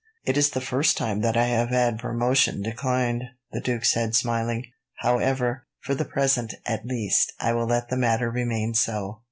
"It is the first time that I have had promotion declined," the duke said, smiling. "However, for the present, at least, I will let the matter remain so."